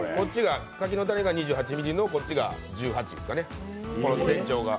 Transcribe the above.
柿の種が２８ｍｍの、こっちが１８ですかね。